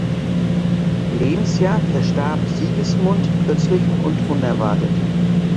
Lebensjahr verstarb Sigismund plötzlich und unerwartet.